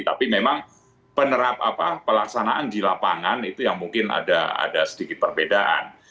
tapi memang penerap apa pelaksanaan di lapangan itu yang mungkin ada sedikit perbedaan